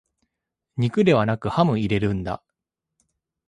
肉ではなくハム入れるんだ